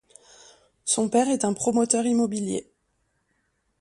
Son père est un promoteur immobilier.